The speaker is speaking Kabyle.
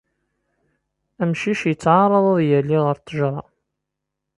Amcic yettɛaraḍ ad yali ɣer ttejra.